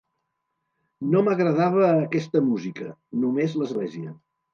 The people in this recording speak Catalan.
No m'agradava aquesta música, només l'església.